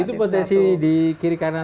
itu potensi di kiri kanan